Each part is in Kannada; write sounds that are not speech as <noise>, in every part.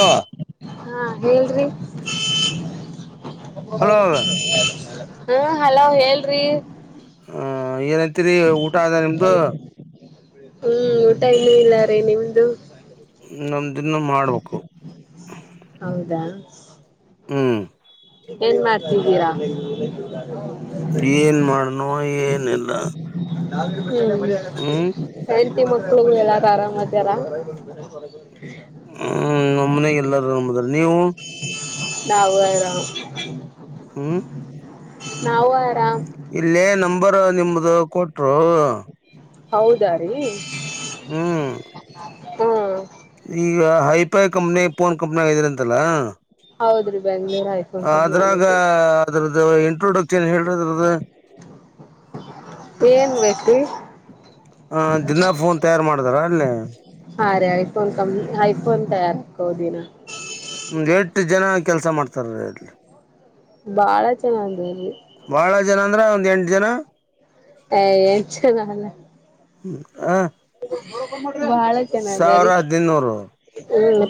ಹಲೋ ಹಾ ಹೇಳ್ರಿ. <unintelligible> ಹಲೋ ಹ್ಮ ಹಲೋ ಹೇಳ್ರಿ. ರಿ ಊಟ ಅ ನಿಮ್ದು ಹ್ಮ್ ಊಟ ಇನ ಇಲ್ಲಾರೆೀ ನಿಮ್ದು ಇದನ್ನು ಮಾಡ್ಬೇಕು ಹೌದಾ ಹ್ಮ್ ಏನ್ ಮಾಡ್ತಿದ್ದೀರಾ ಏನ್ ಮಾಡನೋ ಏನ್ಲ್ಲ ಹ್ಮ ಹೆತಿ ಮಕ್ಳಗು ಎಲ್ಲಾರು ಆರಾಮ್ತಾರ ಹ್ಮ್ ನಮ್ಮನೆಗೆ ಎಲ್ಲಾರೂ ನಂಬದ್ರ ನೀವು ನವು ಹ್ಮ್ ನಾವು ಆರಾಮ್ ಇಲ್ಲೇ ನಂಬರ್ ನಿಮ್ದು ಕೊಟ್ರು ಹೌದ ರೀ ಹ್ಮ್ ಹ್ಮ್ ಈಗ ಹೈಫೈ ಕಂಪ್ನಿ ಫೋನ್ ಕಂಪ್ನಿ ಆಿದ್ರಂತಲ್ಲ ಹೌದ್ರಿ ಬೆಂಗ್ಳೂರ್ ಐಫೋನ್ ಕಂಪ್ನಿಯಲ್ಲಿ ಅದ್ರಾಗ ಇದೀವಿ ಅದ್ರದ್ದ ಇಂಟ್ರೊಡಕ್ಸ್ ನ್ ಹೇಳದ್ರದು ಏನ್ ಮ್ಯೇಕತಿ ಹ ದಿನಾ ನ್ ತಯಾರು ಮಾಡಿದಾರ ಅಲ್ಲಿ ಹಾ ರೇ ಐಫೋನ್ ಕಂಪ್ ಐಫೋನ್ ತಯಾರಕೋದಿನ ಹಮ ಎಟು ಜನ ಕೆಲ್ಸ ಮಾಡ್ತಾರೀ ಅಲ್ಲಿ ಬಾಳ ಚೆನ್ನಾಗಿದೆಿ ಇದ್ರು ಒಂದು ಎಂಟು ಜನ ಏ ನಲ್ಲೆ. ಹ್ಮ ಹ ಬಹಳ ಚೆನ್ನಾಗದಾ ಸಾವಿರ ರೀ. ಹದಿನೈನೂರು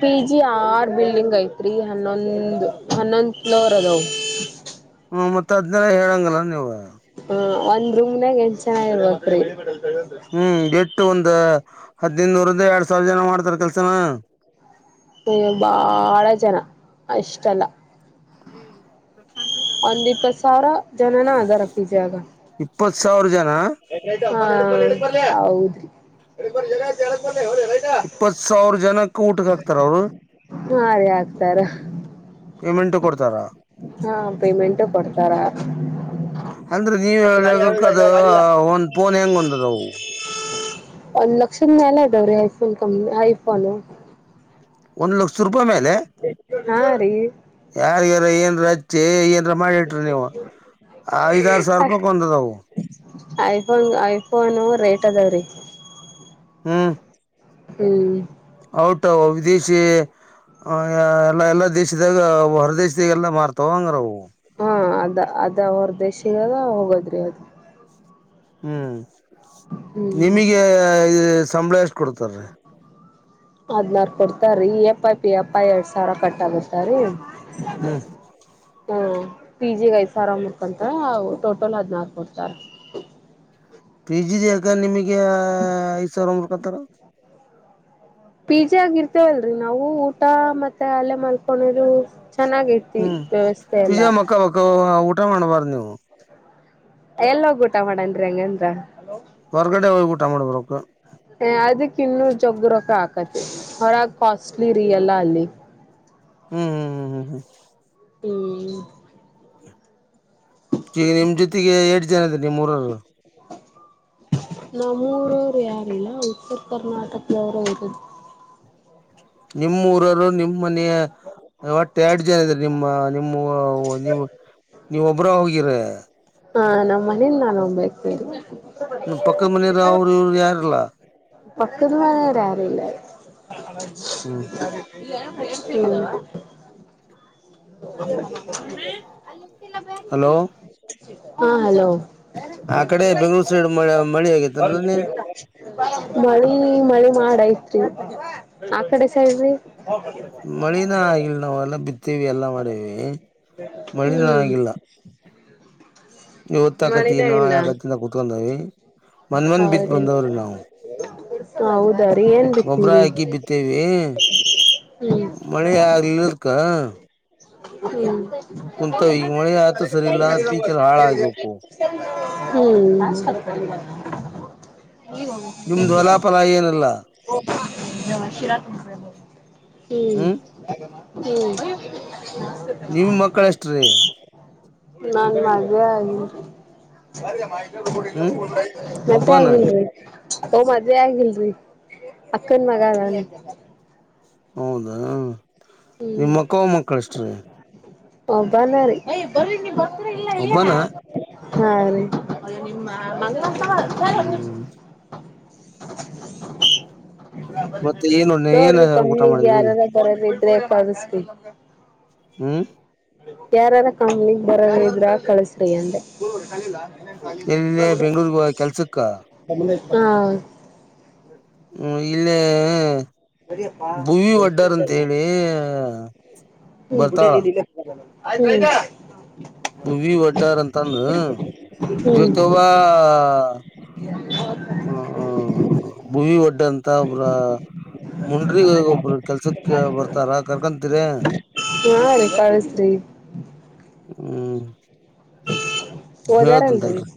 ಪಿ ಜಿ ಆರ್ ಬಿಲ್ಡಿಂಗ್ ಐತ್ ರೀ ಹನ್ನೊಂದು ಹನ್ನೊಂದು ಫ್ಲೋರ್ ಅದವ್. ಮತ್ ಅದ್ನೆಲ್ಲ ಹೇಳಂಗಲ್ಲ ನೀವು. ಹ ಒಂದ್ ರೂಮ್ನಾಗ ಹೆಂಟ್ ಜನ ಇರ್ಬಕ್ ರೀ. ಹ್ಮ್ ಎಟ್ಟು ಒಂದ್ ಹದ್ ನೈದನೂರಿಂದ ಎರಡ್ ಸಾವಿರ ಜನ ಮಾಡ್ತಾರ ಕೆಲ್ಸನ. ಅಯ್ಯೋ ಬಾಳ ಜನ ಅಷ್ಟಲ್ಲ. ಒಂದಿಪ್ಪತ್ ಸಾವರ ಜನಾನ ಅದಾದ ಪಿ ಜಿ ಯಾಗ. ಇಪ್ಪತ್ ಸಾವರ್ ಜನ. ಹಾ ಹೌದ್ರೀ. ಇಪ್ಪತ್ ಸಾವಿರ ಜನಕ್ಕ ಊಟಕ್ಕೆ ಹಾಕ್ತಾರ ಅವರು. ಹಾ ರೀ ಆಗ್ತಾರ ಪೇಮೆಂಟ್ ಕೊಡ್ ಹಾ ಪೇಮೆಂಟು ಕೊಡ್ತಾರ. ಅಂದ್ರೆ ನೀವ ಹೇಳೋ ಲೆಕಕ್ಕ ಅದ ಒಂದ್ ಫೋನ್ ಹೆಂಗ ಒಂದದವು. ಒಂದ್ ಲಕ್ಷದ ಮೇಲೆ ಇದಾವ್ರಿ ಐಫೋನು ಕಂ ಐಫೋನು. ಒಂದು ಲಕ್ಷ ರೂಪಾಯಿ ಮೇಲೆ ಹಾ ರೀ ಯಾರಗಾರ ಏನ್ <unintelligible> ಏ ಹಚ್ಚಿ ಏನ್ರ ಮಾಡಿಟ್ರ ನೀವು ಐದಾರ ಸಾವಿರ ರೂಪಾಯಕ್ಂದದವು. ಐಫೋನ್ ಐಫೋನು ರೇಟ್ ಅದಾವ್ರೀ. ಹಾಂ. ಹ್ಮ್. ಔಟ್ ವಿದೇಶಿ. ಆ ಎಲ್ಲಾ ಎಲ್ಲಾ ದೇಶದಾಗ ಹೊರ ದೇಶದಾಗೆಲ್ಲ ಮಾರ್ತಾವ ಹಂಗ್ರವು. ಹಾ ಅದ ಅದ ಹೊರ ದೇಶದದ ಹೋಗೋದ್ರಿ ಅದು. ಹ್ಮ್ ಹ್ಮ್ ನಿಮಿಗೆ ಸಂಬಳ ಎಷ್ಟ ಕೊಡ್ತಾರೀ. ಅದ್ನಾರು ಕೊಡ್ತಾರೀ ಇಎಸ್ಐ ಪಿಎಫ್ ಫ್ ಎರಡ್ ಸಾವಿರ ಕಟ್ ಆಗತ್ತಾರೀ. ಹ್ಮ್ ಹ ಹ ಪಿ ಜಿ ಗ್ ಐದ್ ಸಾವಿರ ಮುರ್ಕಂತರೆ ಟೋಟಲ್ ಹದ್ನಾರ ಕೊಡ್ತಾರ. <unintelligible> ಪಿ ಜಿದ ಯಕ ನಿಮಗೆ ಐದ್ ಸಾವಿರ ಮೂರ್ಕತಾರೆ. ಪೀ ಜಿ ಯಾಗಿ ಇರ್ತೇವಲ್ರಿ ನಾವು ಊಟ ಮತ್ತೆ ಅಲ್ಲೇ ಮಲ್ಕೊಳೋದು. ಚೆನ್ನಾಗೈತಿ ಹ್ಮ್ ವ್ಯವಸ್ಥೆ ಪಿ ಎಲ್ಲ. ಜಿ ಮಕ್ಕ ಬಕ್ಕ <unintelligible> ಎಲ್ಲ್ ಹೋಗಿ ಊಟ ಮಾಡನ್ರಿ ಹಂಗಂತ. ಹೊರ್ಗಡೆ ಹೋಗ್ ಉಟ ಮಾಡಬೇಕ್. ಅದಕ್ ಇನ್ನೂರ್ ಜಗ್ಗಿ ರೋಕ್ಕ ಹಾಕತಿ ಹೊರಗ ಕಾಸ್ಟ್ಲಿ ರೀ ಎಲ್ಲ ಅಲ್ಲಿ. ಹ್ಮ್ ಹ್ಮ್ ಹ್ಮ್ ಹ್ಮ್ ಹ್ಮ್ ಹ್ಮ್ ಈಗ ನಿಮ್ ಜೊತೆಗೆ ಏಟ್ ಜನ ಇದರೆ ನಿಮ್ಮ ಊರ್ನೊರು. ನಮ್ಮೂರವರು ಯಾರಿಲ್ಲ ಉತ್ತರ ಕರ್ನಾಟಕದವರು ಇದಾರೆ. ನಿಮ್ಮ್ ಊರರು ನಿಮ ಮನೆಯ ಒಟ್ಟ ಎರಡು ಜನ ಇದಾರೆ ನಿಮ್ಮ ನಿಮ್ಮ ನೀವು ನೀವ ಒಬ್ರ ಹೋಗಿರೇ. ಹಾ ನಮ್ಮ್ ಮನೇಲಿ ನಾನೋಬ್ಳೇ. <unintelligible> ನ ಪಕ್ಕದ್ ಮನೆಯವ್ರು ಅವರ್ ಇವ್ರು ಯಾರಲ್ಲ. ಪಕ್ಕುದ್ ಮಾನೆಯಾರಿಲ್ಲ. ಹ್ಮ್ <unintelligible> ಹಲೋ ಹಾ ಹಲೋ. ಆ ಕಡೆ ಬೆಂಗ್ಳೂರು ಸೈಡ್ ಮ ಮಳಿ ಆಗತ್ ಮಳಿ ಮಳಿ ಮಾಡ ಮಾಡ್ಐತ್ರಿ ಆ ಕಡೆ ಸೈಡ್ರೀ. ಮಳಿನ ಆಗಿಲ್ ನಾವ ಎಲ್ಲಾ ಬಿತ್ತೀವಿ ಎಲ್ಲಾ ಮಾಡೀವಿ. ಮಳಿನ ಹ್ಮ್ ಹೊತ್ತ ಆಕತಿ ಮಳಿನೇ ಇಲ್ಲ ನಾಳೆ ಆಕತಿಂದ ಕುೂತ್ಕೊಂಡಾವಿ. ಮನ್ಮಂದ ಬಿತ್ ಹೌದ್ರಿ ಬಂದವ್ರಿ ನಾವವು ಹೌದಾ ರೀ ಏನ್ ಗೊಬ್ರ ಬಿತ್ತೀರಿ ಹಾಕಿ ಬಿತ್ತೇವಿ. ಹ್ಮ್ ಮಳೆ ಆಗ್ಲದಕ್ಕ ಹ್ಮ ಮಳೆ ಆತು ಸರಿ ಇಲ್ಲ ಪೀಕ್ ಎಲ್ಲ ಹಾಳಾಗಿ ಹೋಗಕು ಹ್ಮ್ ನಿಮ್ದು ಹೊಲ ಲ ಏನಲ್ಲ ಶರತ್ ಹ್ಮ್ ಹ್ಮ್ ನಿಮ್ ಮಕ್ಕಳ ಎಷ್ಟ್ರೀ <unintelligible> ನಾನ್ ಮದೆ ಆಗ ಹ್ಮ್ <unintelligible> ಮತ್ತೆ ಒಬ್ಬನ ಆಗಿಲ್ಲ ಓ ಮದ್ೆ ಆಗಿಲ್ರಿ ಅಕ್ಕನ್ ಮಗ ಆದಳೆ ಹೌದಾ ನಿಮ್ಮ ಅಕ್ಕೋ ಮಕ್ಕಳ ಎಷ್ಟ್ರೀ ಹ ಬರ ಒಬ್ಬನ ಹಾ ರೀ ಮಂಗರಂಗಸ ಅರ <unintelligible> ಹ್ಮ್ ಮತ್ತೆ ಏನು ಏನ ನೋಡ್ರಿ ಊಟ ಕಮ್ಮಿ ಮಾಡಿದ್ರಿ ಈಗ ಯಾರಾರ ತರ <unintelligible> ಹ್ಮ್ ಯಾರಾರ ಕಂಪ್ನಿಿಗೆ ಬರಿದ್ರ ಕಳಸ್ರಿ ಅಂದೆ ಇಲ್ಲೇ ಬೆಂಗ್ಳೂರ್ಗ ಕೆಲ್ಸಕ್ಕ ಹಾ <inaudible> ಹ್ಮ ಇಲ್ಲಿ ಭುವಿ ವಡ್ಡರ್ ಅಂತ ಹೇಳಿ ಬರ್ತಾಳ <unintelligible> ಅದ <unintelligible> ಹವಿ ವಡ್ಡಾರ್ ಅಂತಂದು ಜೊತೊಬ ಹ್ಮ್ <unintelligible> ಹ್ಮ್ಮ ಭವಿಿ ಒಡ್ಡ ಅಂತ ಒಬ್ರ <unintelligible> ಮುಂಡ್ರಿ ಒಬ್ರು ಕೆಲ್ಸಕ್ ಬರ್ತಾರ ಕರ್ಕೊಂತೀರ ಯಾ ರೀ ಕಳಶ್ರೀ <unintelligible> ಹ್ಮ್ ಹಓಜಾರೇನ್ರಿ ಹೇಳ್ತಂತಲ್ರಿ <unintelligible>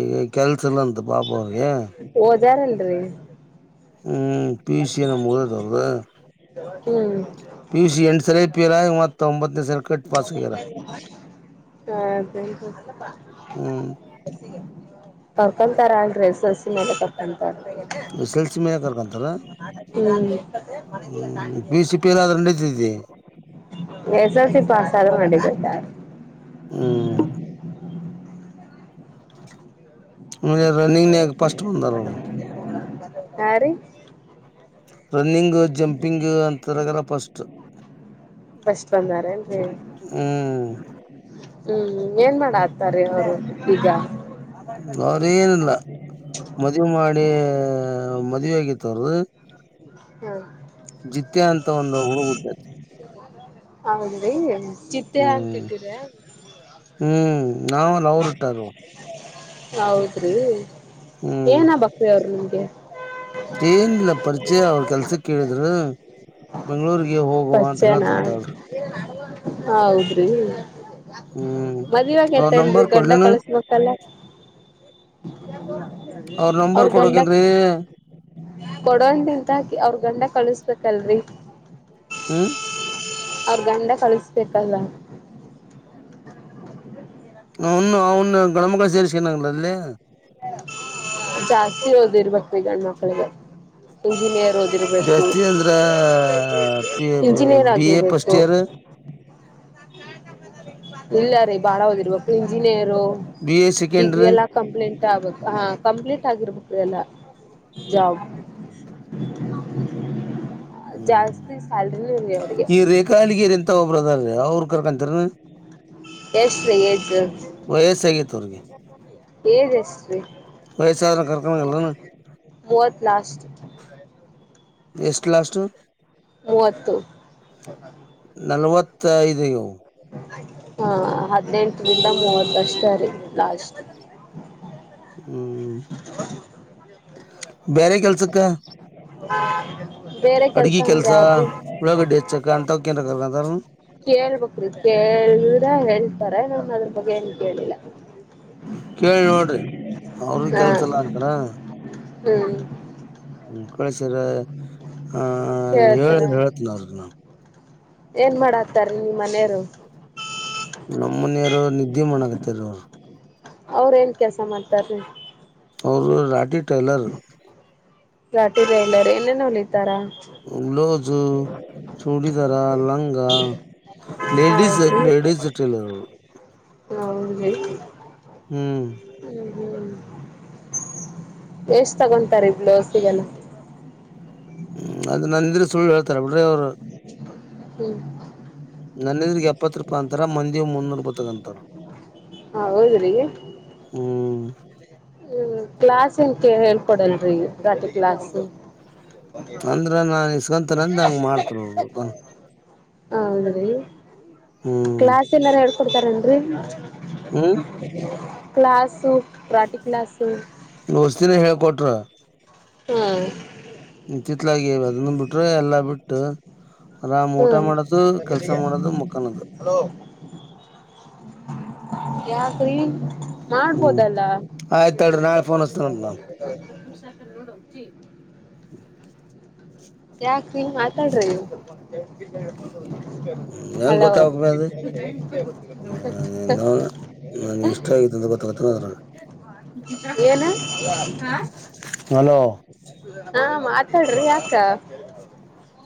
ಈಗ ಕೆಲ್ಸಲ್ಲಂತ ಪಾಪ ಅವ್ರಿಗೆ ಯಾರೆಲ್ರಿ ಹ್ಮ್ ಪಿಸಿಯ ನಂಬದೇ ತರದ ಹ್ಮ್ ಪಿಯೂಷ್ ಎಂಟು ಸರ ಪಿಯರ ಮ ಒಂಬತ್ತನೇ ಸರ್ ಕಟ್ ಪಾಸ್ ಆ್ಯರ ಹಾ ಸ ಹ್ಮ್ <unintelligible> ಕರ್ಕೊಂತಾರ ಅಡ್ರೆ ಸಸಿ ಮ ತರ್ಕೊ <unintelligible> ಎಸ್ ಎಲ್ ಸಿ ಮನ ಕರ್ಕಂತಾರ ಹ್ಮ್ ಹ್ಮ್ ಪ ಸಿ ಪಿಲ್ಲದ್ರ ನಿತತಿ <unintelligible> ಎಸ್ ಎಲ್ ಸಿ ಪಾಸರ ಮಾಡಿಿದ್ದ ಹ್ಮ್ <unintelligible> ಆಮೇಲೆ ರನ್ನಿಂಗ್ನ್ಯಾಗ ಫಸ್ಟ್ ಬಂದಾರ ಅವರು ಯ ರೀ ರನ್ನಿಂಗ್ ಜಂಪಿಂಗ್ ಅಂತರಗಲ ಫಸ್ಟ್ <unintelligible> ಫಸ್ಟ್ ಬಂದಾರೆ ಅಂತ ಹೇಳಿ ಹ್ಮ್ ಹ್ಮ್ ಏನ್ ಮಾಡ ಆತಾರೀ ಅವರು ಈಗ ಮದ್ುವೆ ಮಾಡಿ ಮದುವೆ ಆಗಿ ತ್ರದು ಹ <unintelligible> ಜತ್ಯ ಅಂತ ಒಂದು ಹುಡುಗ್ಟ್ಟೈತಿ <unintelligible> ಹೌದ್ರಿ ಚಿತ್ತೆ ಹ್ಮ್ ಅಂತಿಟ್ಟಿರ ಹ್ಮ್ ನಾವಲ್ಲ ಅವರುಟ್ಟಾರ <unintelligible> ಹೌದ್ರಿ ಹ್ಮ್ ಏನ ಬಕ್ ಅವರು ನಿಮ್ಗೆ ಏನಿಲ್ಲ ಪರಿಚಯ ಅವ್ರ ಕೆಲ್ಸ ಕೇಳಿದ್್ರ ಬೆಂಗ್ಳೂರ್ಗೆ ಹೋಗುವ ಅಂತ ಪರಿಚಯನಾ ಹೇಳೇತಂತಾಳ ಹೌದ್ರಿ ಹ್ಮ್ ಹ ನ್ರಿ ಗಂಡ ಕಳಸ್ಬೇಕಲ್ಲ ಅವ್ರ ನಂಬರ್ ಕೊಡೋಕಂದ್ರೆ ಕೊಡೊಂಡಿಂದಾಕಿ ಅವ್ರ ಗಂಡ ಕಳಸ್ಬೇಕಲ್ರರಿ ಹ್ಮ್ ಅವ್ರ ಗಂಡ ಕಳಿಸಬೇಕಲ್ಲ ನ್ನು ಅವನು ಗಣಮಗಳ ಸೇರಿಸ ನಾಗಲ್ಲ ಅಲ್ಲಿ ಜಾಸ್ತಿ ಓದಿರ್ಬೇಕು ಗಂಡ್ಮಕ್ಳಿಗೆ ಇಂಜಿನಿಯರ್ ಓಿರ್ಬೇಕು ಜಾಸ್ತಿ ಅಂದ್ರ ಇಂಜಿನಿಯರ್ ಬಿ ಎ ಫಸ್ಟ್ ಆಗಿರ್ಬೇಕು ಇಯರ್ ಇಲ್ಲ ರೀ ಬಾಳ ಓದಿರ್ಬೇಕು engineer B A second degree ಎಲ್ಲಾ ಕಂಪ್ಲೀಂಟ್ ಹಾ ಕಂಪ್ಲೀಟ್ ಆಗಿರ್ಬೇಕು ಎಲ್ಲ ಜಾಬ್ ಮ ಹ್ಮ್ ಜಾಸ್ತಿ ಸ್ಯಾಲ್ರಿನೂ ಇರಿ ಅವ್ರಿಗೆ ಈ ರೇಖಾ ಹಳ್ಳಗಿರೆ ಮ ಒಬ್ರ ಅದ್ರೀ ಅವ್ರ ಕರ್ಕಂತರ ಎಷ್ಟ್ರೀ ಏಜ ವಯಸ್ಸಾಗೈತೆ ಅವ್ರಿಗೆ ಏಜ್ ಎಷ್ಟ್ರೀ ವಯಸ್ಸಾದ್ರೆ ಕರ್ಕೊಂಡ್ ಹೋಗಲ್ಲನು ಮೂವತ್ ಲಾಸ್ಟ್ ಎಷ್ಟ ಲ್ಲಾಸ್ ಹ ನಲ್ವತ್ತೈದುಗ ಹಾ ಹದ್ನೆಂಟ ನಿಂದ ಮೂವತ್ತಷ್ಟ ಅ ರ ಲಾಸ್ಟ್ <inaudible> ಹ್ಮ್ ಬೇರೆ ಕೆಲ್ಸಕ್ಕ ಬೇರೆ ಕೆಲ್ಸ ಅಂದ್ರೆ ಅದು ಉಳ್ಳಾಗಡ್ಡಿ ಹೆಚ್ಚಕ್ಕ ಅಂತವ್ಕೇನ್ರ ಕರ್ಕೊಂತಾರ ಕೇಳ್ಬೇಕ್ರೀ ಕೇಳ್ರ ಹೇಳ್ತಾರೆ ನ ಮಏ ಕೇಳಿಲ್ಲ ಕೇಳಿ ನೋಡ್ರಿ ಅವ್ರ ಹಾ ಕೆಲ್ಸಲ್ಲ ಅಂತಾರ ಹ್ಮ್ ಹ್ಮ್ ಕಳಸ್ರ ಆ ಹೇಳ ಕೇಳ್ತಾನ ಹೇಳತ್ನ ಅವರ್ಗನ ಏನ್ ಮಾಡಾತಾರ ನಿ ಮನೆಯರು ನಮ್ಮ್ ಮನೆಯಾರ ನಿದ್ದೆ ಮಾಡಕತ್ತ ರ ಅವರು ಅವ್ರೇಏನ್ ಕೆಲ್ಸ ಮಾಡ್ತಾರೀ ಅವರು ರಾಠಿ ಟೈಲರ್ ರಾಟಿ ಟೈಲರ್ ರ ಎಲ್ಲಾರೆ ಇನೇನ ಹಲಿತಾರ ಚೂಡಿದರ ಲಂಗ ಲೇಡೀಸ್ ಹೌದ್ರಿ ಲೇಡೀಸ್ ಟ್ರೈಲರ್ ಹೌ ಹ್ಮ್ ಎಷ್ಟ್ ತಗೊಂತಾರೆ ಬ್ಲೌಸಿಗೆಲ್ಲ ಹ್ಮ್ ಅದ ನಂದಿದ್ರೆ ಸುಳ್ಳು ಹೇಳ್ತಾರ ಬಿಡ್ರಿ ಅವರು ಹ್ಮ್ ನನ್ನೊಂದಿಗೆಎಪ್ಪತ್ತು ರೂಪಾಯಿ ಅಂತರ ಮಂದಿ ಮುನ್ನೂರು ರೂಪಾಯಿ ತಗಂತಾರ ಹದ್ರ ಹ್ಮ್ ಕ್ಲಾಸ್ನ್ ಕ ಹೇಳ್ಕೊಡಲ್ರರಿ ರಾತ್ ಕ್ಲಾಸ್ ಹ ಅಂದ್ರ ನಾನ್ ಇಸ್ಕೊಂತನ ಅಂದ ಹಂಗ್ ಮಾಡ್ತಾರ ಅವರು <unintelligible> ಹೌದ್ರೀ ಹ್ಮ್ ಕ್ಲಾಸ್ ಎಲ್ಲಾರು ಹೇಳ್ಕೊಡ್ತಾರ ಕೊಡ್ತಾರನ್ರಿ ಹ್ಮ್ ಕ್ಲಾಸು ರಾಟಿ ಕ್ಲಾಸು ಷ್ದಿನ ಹೇಳ್ಕೊಟ್ರ ಹಾ ತಿತ್ಲಾಗಿ ಅದನ್ನು ಬಿಟ್ರೆ ಎಲ್ಲಾ ಬಿಟ್ಟು ಅರಾಮ್ ಊಟ ಹ್ಮ್ ಮಾಡೋದು ಕೆಲ್ಸ ಮಾಡೋದು ಮುಕ್ಕನದು ಯಾಕ್ ರಿ ಹ್ಮ್ ಆಯ್ತ್ರಿ ನಾಳೆ ಫೋನ್ತ ನ ಹ್ಮ ಯಾಕ ನೀಂಗ ಮಾತಾಡ್ರಿ ಹೆಂಗ್ ಹಲೋ ಗೊತ್ತಾಗಬೇಕ ಅದು ನಾ ಇಷ್ಟ ಆಗತೆ ಅಂತ ಗೊತ್ತಾಗತ ಅದ್ರ ಏನ ಹಲೋ ಹ ಮಾತಾಡ್ರಿ ಯಾತ ಹ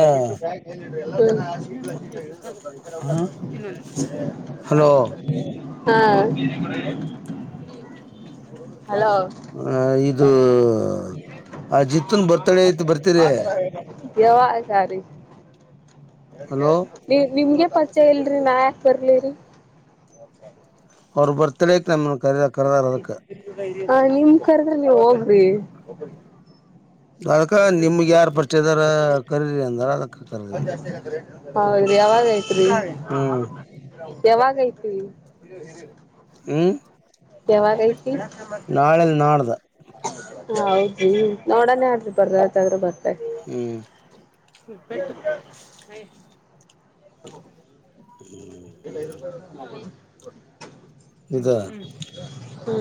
ದವಿಟ್ಟು ಬಾಯ ಹೇಳಿದರು ಎಲ್ಲ ಜನ ಆಲಿದಬ್ಬಬ್ ಹಲೋ ಹಾ ಹಲೋ ಆ ಇದು ಆ ಜಿತ್ತನ್ ಬರ್ತ ಯವ ಸಾರಿ ಹಲೋ ನೀ ನಿಮ್ಗೆ ಪಚಯ ಇಲ್ರಿ ನಾ ಯಾಕ ಬರ್ಲಿರಿ ಬರ್ತ್ಡೇಕ್ ನಮ್ಮ ಕ ಕರುದಾರದಕ್ಕೆ ಹ ನಿಮ್ ಕರ್ರಲ್ಲಿ ಹೋಗ್ರಿ ಅದಕ್ಕ ನಿಮ್ಗ್ ಯಾರ್ ಪರಿಚಯ ಇದಾರ ಕರೀರಿ ಅಂದಾರ ಅದಕ್ಕ ಕರ್ದ್ವಿ ಹ ಯಾವಾಗಐತ್ರಿ ಹ್ಮ್ ಯಾವಾಗ ಐತ್ರಿ ಹ್ಮ್ ಯಾವಾಗ ಐತಿ ನಾಳೆಲ್ ನಾಡ್ದ ಹ ಹೌದ್ರಿ ನೋಡನೇ ಆ್ರಿ ಬರ್ದತಾದ್ರರು ಬರ್ತ ಹ್ಮ್ಟ್ಟ ಹ ಇದದಾ ಹ್ಮ್